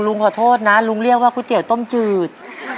ขอโทษนะลุงเรียกว่าก๋วยเตี๋ยวต้มจืด